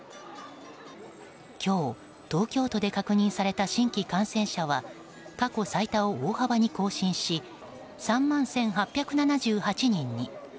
今日、東京都で確認された新規感染者は過去最多を大幅に更新し３万１８７８人に。